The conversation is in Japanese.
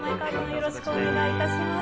よろしくお願いします。